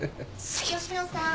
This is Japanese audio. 吉野さん。